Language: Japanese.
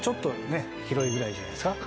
ぐらいじゃないですか。